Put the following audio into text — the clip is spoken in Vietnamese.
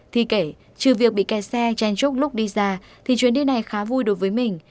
thì kể trừ việc bị kẻ xe chen trúc lúc đi ra thì chuyến đi này khá vui đối với mình